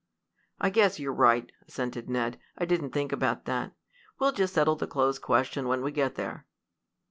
"I guess you're right," assented Ned. "I didn't think about that. We'll just settle the clothes question when we get there."